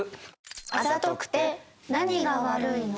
あざとくて何が悪いの？